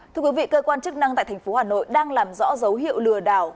thưa quý vị cơ quan chức năng tại thành phố hà nội đang làm rõ dấu hiệu lừa đảo